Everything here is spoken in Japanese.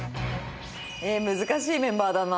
難しいメンバーだな。